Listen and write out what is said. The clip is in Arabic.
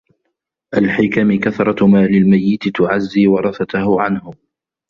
الْحِكَمِ كَثْرَةُ مَالِ الْمَيِّتِ تُعَزِّي وَرَثَتَهُ عَنْهُ